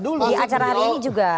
dulu di acara hari ini juga